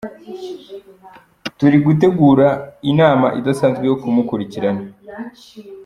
Turi gutegura inama idasanzwe yo kumukurikirana.